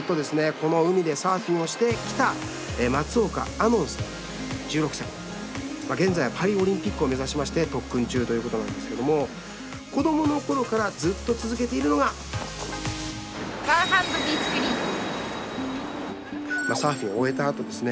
この海でサーフィンをしてきた現在はパリオリンピックを目指しまして特訓中ということなんですけども子どもの頃からずっと続けているのがサーフィンを終えたあとですね